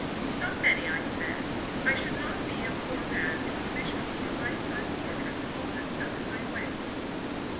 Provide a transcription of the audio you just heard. "Not many," I said. "I should not be a poor man if commissions for life size portraits often fell in my way."